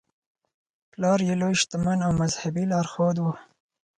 پلار یې لوی شتمن او مذهبي لارښود و.